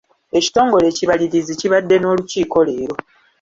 Ekitongole ekibalirizi kibadde n'olukiiko leero.